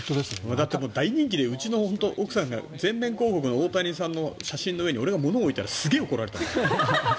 だって大人気で、うちの奥さんが全面広告の大谷の写真の上に俺が物を置いたらすげえ怒られたもん。